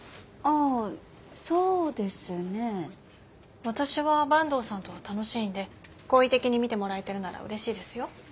あそうですね。私は坂東さんとは楽しいんで好意的に見てもらえてるならうれしいですよ。